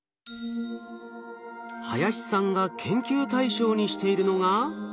林さんが研究対象にしているのが。